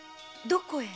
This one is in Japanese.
どこへ！？